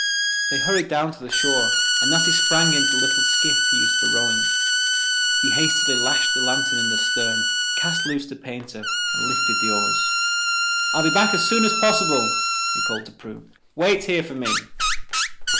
They hurried down to the shore and Natty sprang into the little skiff he used for rowing. He hastily lashed the lantern in the stern, cast loose the painter, and lifted the oars. "I'll be back as soon as possible," he called to Prue. "Wait here for me."